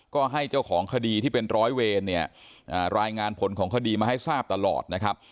ก็ให้เจ้าของคดีที่เป็นร้อยเวรเนี่ยรายงานผลของคดีมาให้ทราบตลอดนะครับ